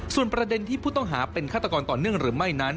ส่วนประเด็นที่ผู้ต้องหาเป็นฆาตกรต่อเนื่องหรือไม่นั้น